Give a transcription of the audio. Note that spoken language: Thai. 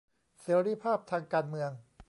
เสรีภาพทางการเมือง